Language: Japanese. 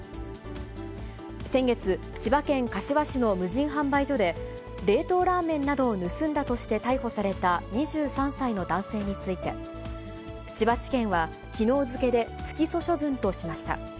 先月、千葉県柏市の無人販売所で、冷凍ラーメンなどを盗んだとして逮捕された２３歳の男性について、千葉地検はきのう付けで不起訴処分としました。